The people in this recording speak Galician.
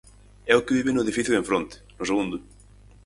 É o que vive no edificio de enfronte, no segundo.